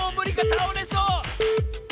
たおれそう！